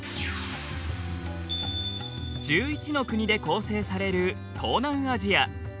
１１の国で構成される東南アジア。